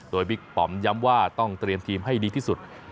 โดยบิ๊กปอมย้ำว่าต้องเตรียมทีมให้ดีที่สุด